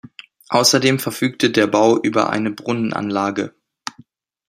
Außerdem verfügte der Bau über eine Brunnenanlage.